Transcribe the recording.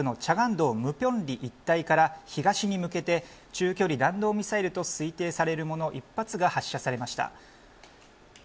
北朝鮮北部の一帯から東に向けて中距離弾道ミサイルと推定されるもの１発が発射されました。